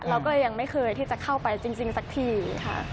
เราก็ยังไม่เคยที่จะเข้าไปจริงสักทีค่ะ